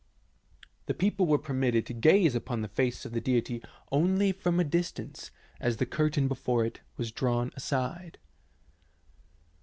The people were permitted to gaze upon the face of the deity only from a distance as the curtain before it was drawn aside.